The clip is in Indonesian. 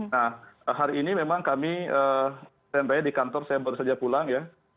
nah hari ini memang kami standby di kantor saya baru saja pulang ya